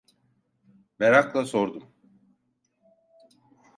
Merakla sordum: